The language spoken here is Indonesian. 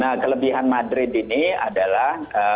nah kelebihan madrid ini adalah